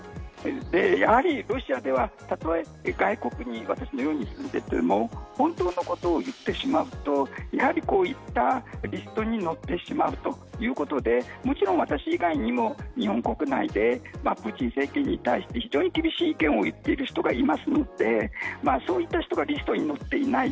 やはりロシアでは、例え外国に私のように住んでいても本当のことを言ってしまうとやはりこういったリストに載ってしまうということでもちろん私以外にも、日本国内でプーチン政権に対して非常に厳しい意見を言っている人もいますのでそういった人がリストに載っていない。